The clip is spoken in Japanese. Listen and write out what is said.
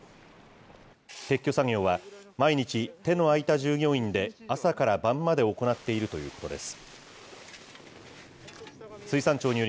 撤去作業は毎日手の空いた従業員で朝から晩まで行っているということです。